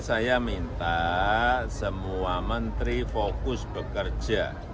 saya minta semua menteri fokus bekerja